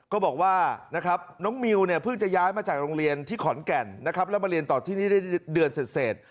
ก็บอกว่าน้องมิวพึ่งจะย้ายมาจากโรงเรียนที่ขอนแก่นแล้วมาเรียนต่อที่นี่ได้เดือนเสร็จ